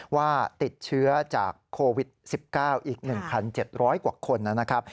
ว่าติดเชื้อจากโควิด๑๙อีก๑๗๐๐กว่าคนนะครับ